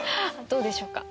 どうでしょうか？